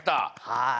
はい。